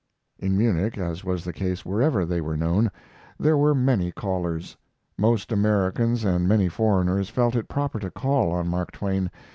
In Munich as was the case wherever they were known there were many callers. Most Americans and many foreigners felt it proper to call on Mark Twain.